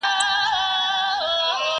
زموږ پاچا دی موږ په ټولو دی منلی.!